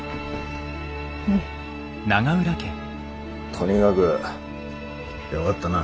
とにかぐよがったな。